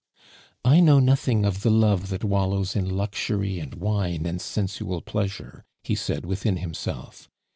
"I know nothing of the love that wallows in luxury and wine and sensual pleasure," he said within himself.